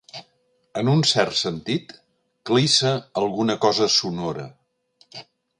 En un cert sentit, clissa alguna cosa sonora.